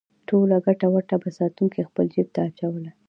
ټوله ګټه وټه به ساتونکو خپل جېب ته اچوله.